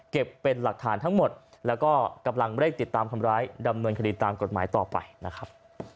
เป็นหลักฐานทั้งหมดแล้วก็กำลังเร่งติดตามคนร้ายดำเนินคดีตามกฎหมายต่อไปนะครับ